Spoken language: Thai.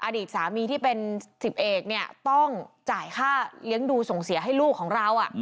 อดีตสามีที่เป็น๑๐เอกเนี่ยต้องจ่ายค่าเลี้ยงดูส่งเสียให้ลูกของเรา